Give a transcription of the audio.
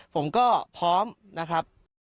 ผมก็พร้อมนะครับ